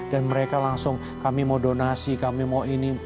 dan mereka langsung kami mau donasi kami mau ini